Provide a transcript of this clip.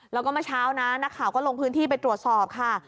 แล้วก็เมื่อเช้านะนักข่าวก็ลงพื้นที่ไปตรวจสอบค่ะ